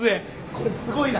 これすごいな。